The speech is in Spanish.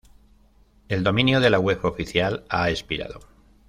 El dominio de la web oficial ha expirado.